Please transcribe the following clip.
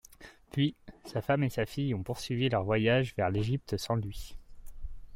Puis, sa femme et sa fille ont poursuivi leur voyage vers l’Égypte sans lui.